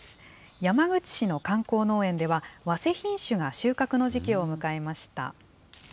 山口市の観光農園では、わせ品種が収穫の時期を迎えました。